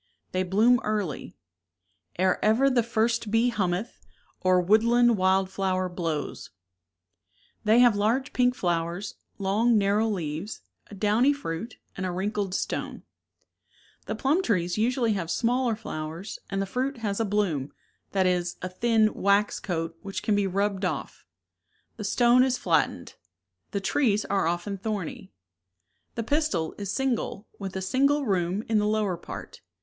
They bloom early, Ere ever the first bee hummeth, Or woodland wild flower blows. They have large pink flowers, long narrow leaves, a downy V fruit, and a wrinkled stone. The plum trees usually have smaller flowers and the fruit has a bloom, that is, a thin wax ,, SECTION OF Peach rlo55o«. ^.q^j which cau bc rubbcd off. The stone is flattened. The trees are often thorny. The pistil is single, with a single room in the lower part.